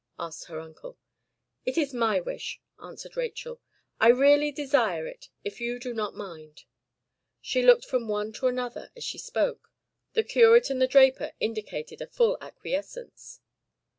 asked her uncle. "It is my wish," answered Rachel. "I really desire it if you do not mind." She looked from one to another as she spoke. The curate and the draper indicated a full acquiescence.